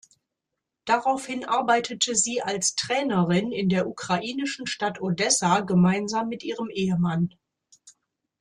Daraufhin arbeitete sie als Trainerin in der ukrainischen Stadt Odessa gemeinsam mit ihrem Ehemann.